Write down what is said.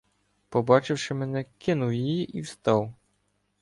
Побачивши мене, кинув її і встав.